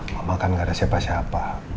mama kan gak ada siapa siapa